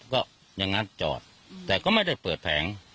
ก็อย่างนั้นจอดแต่ก็ไม่ได้เปิดแผง